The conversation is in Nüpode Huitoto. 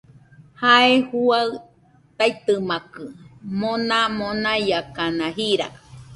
Jae juaɨ taitɨmakɨ, mona monaiakana jira